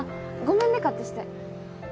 ごめんね勝手して。